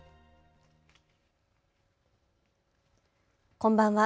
こんばんは。